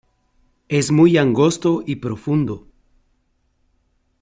Es muy angosto y profundo.